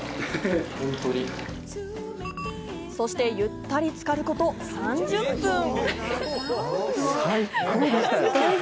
そしてゆったり浸かること３０分。